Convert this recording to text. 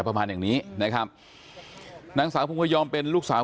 ประมาณแบบนี้นะครับนางสาวปุงหยอมเป็นลูกสาวค่ะ